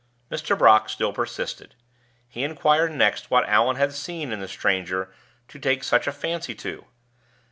Mr. Brock still persisted. He inquired next what Allan had seen in the stranger to take such a fancy to?